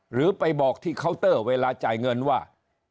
หรือไปบอกที่เคาน์เตอร์เวลาจ่ายเงินว่า